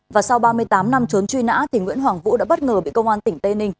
và sau ba mươi tám năm trốn truy nã nguyễn hoàng vũ đã bất ngờ bị công an tỉnh tây ninh